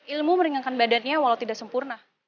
ilmu meringankan badannya walau tidak sempurna